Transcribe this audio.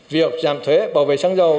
việc giảm thuế bảo vệ xăng dầu